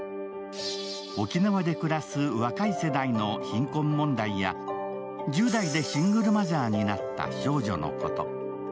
沖縄で暮らす若い世代の貧困問題や１０代でシングルマザーになった少女のこと。